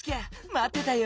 まってたよ。